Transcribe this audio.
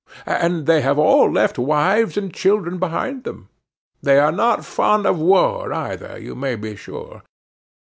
And they have all left wives and children behind them; they are not fond of war either, you may be sure!